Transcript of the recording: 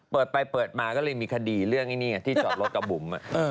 เปิดไปเปิดมาก็เลยมีคดีเรื่องไอ้นี่ไงที่จอดรถกับบุ๋ม